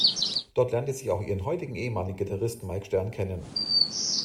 Dort lernte sie auch ihren heutigen Ehemann, den Gitarristen Mike Stern kennen.